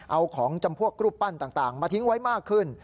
เอาของจำพวกรูปปั้นต่างมาทิ้งไว้มากขึ้น